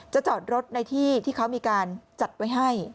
จอดรถในที่ที่เขามีการจัดไว้ให้